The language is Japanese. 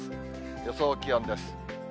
予想気温です。